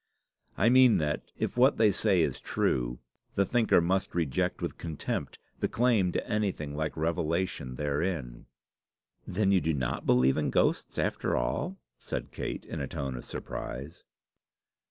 I mean that, if what they say is true, the thinker must reject with contempt the claim to anything like revelation therein." "Then you do not believe in ghosts, after all?" said Kate, in a tone of surprise.